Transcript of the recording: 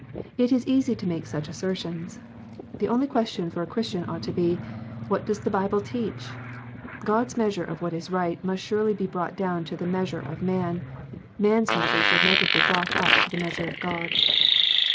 It is easy to make such assertions. The only question for a Christian oughUo be, " What does the Bible teach 1 " God s measure of what is right must surely not be brought down to the measure of man: man s measure should rather be brought up to the measure of God.